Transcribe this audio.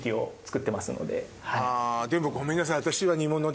あでもごめんなさい。